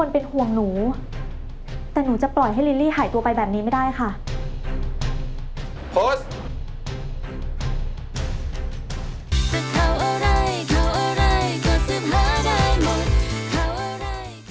โพสต์